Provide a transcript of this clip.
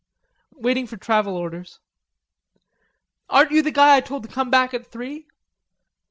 "Waiting for travel orders." "Aren't you the guy I told to come back at three?"